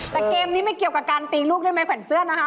แต่เกมนี้ไม่เกี่ยวกับการตีลูกด้วยไม้แขวนเสื้อนะคะ